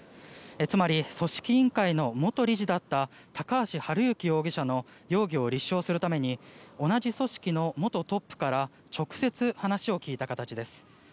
つまり組織委員会の元理事だった高橋治之容疑者の容疑を立証するために同じ組織の元トップから直接、話を聞いた形です。